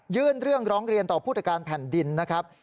เรื่องร้องเรียนต่อผู้ตรวจการแผ่นดินนะครับ